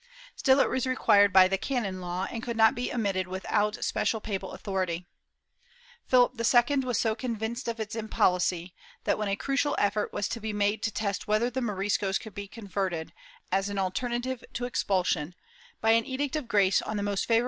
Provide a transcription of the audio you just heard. ^ Still it was required by the canon law, and could not be omitted without special papal authority. Philip II was so convinced of its impolicy that, when a crucial effort was to be made to test whether the Moriscos could be converted, as an alternative to expulsion, by an Edict of Grace on the most ' Archivo de Simancas, Inq.